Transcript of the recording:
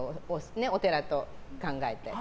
お寺と考えたり。